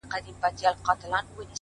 هوښیار انسان له هرې خاموشۍ زده کوي!